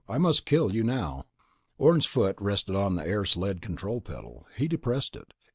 "I must kill you now." Orne's foot rested on the air sled control pedal. He depressed it.